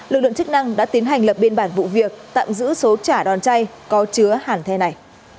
lực lượng chức năng đã tiến hành lập biên bản vụ việc tạm giữ số chả đòn chay có chứa hàng the này